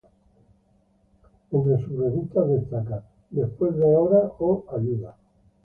Entre sus revistas destacan "After Hours" o "Help!